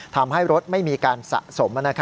ทำให้รถไม่มีการสะสม